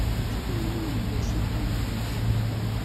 Melmi i d ass n umuli-k?